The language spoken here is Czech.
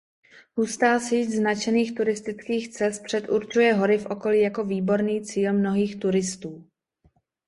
Hustá síť značených turistických cest předurčuje hory v okolí jako výborný cíl mnohých turistů.